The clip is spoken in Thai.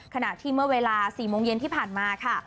ขณะที่เมื่อเวลา๔โมงเย็นที่ผ่านมาค่ะ